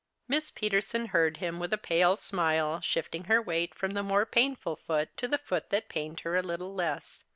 Miss Peterson heard him with a pale smile, shifting her weight from the more painful foot to the foot that pained her a little less.